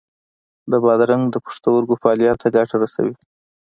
د بادرنګ د پښتورګو فعالیت ته ګټه رسوي.